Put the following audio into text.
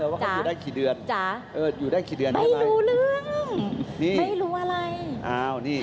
ไม่รู้แหละ